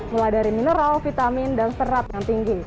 mulai dari mineral vitamin dan serat yang tinggi